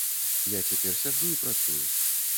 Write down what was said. Я цяпер сяджу і працую.